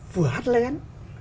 vừa hát lén